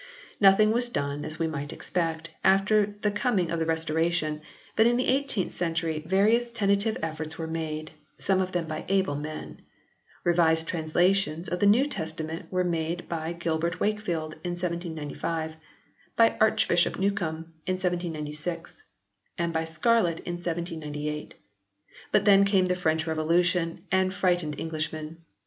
Nothing was done, as we might expect, after the coming in of the Restoration, but in the 18th century various tentative efforts were made, some of them by able men. Revised translations of the New Testa ment were made by Gilbert Wakefield in 1795; by Archbishop Newcome in 1796; and by Scarlett in 1798. But then came the French Revolution and frightened Englishmen.